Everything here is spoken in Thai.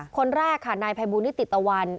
คนแรกค่ะนายภัยบูลนิติตะวัน